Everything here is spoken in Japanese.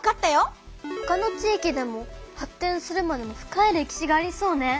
ほかの地域でも発展するまでの深い歴史がありそうね！